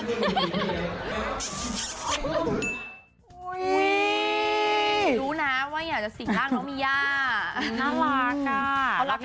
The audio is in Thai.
เพราะอยากเข้าไปสันสำคัญ